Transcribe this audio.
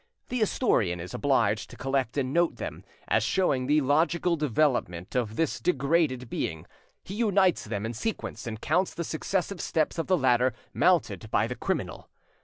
The historian is obliged to collect and note them, as showing the logical development of this degraded being: he unites them in sequence, and counts the successive steps of the ladder mounted by the criminal.